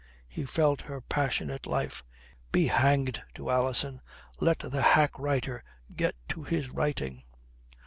He felt her passionate life. Be hanged to Alison! Let the hack writer get to his writing.